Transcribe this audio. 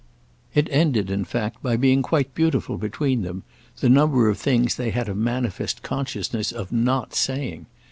It ended in fact by being quite beautiful between them, the number of things they had a manifest consciousness of not saying.